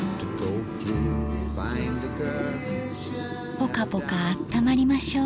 ポカポカあったまりましょう。